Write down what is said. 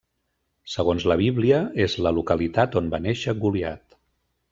Segons la Bíblia, és la localitat on va néixer Goliat.